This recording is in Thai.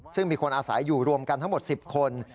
ซึ่งมีคนอาศัยอยู่รวมกันทั้งหมด๑๐คน